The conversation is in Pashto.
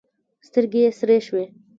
سترګې یې سرې شوې.